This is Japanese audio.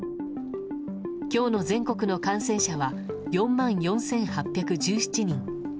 今日の全国の感染者は４万４８１７人。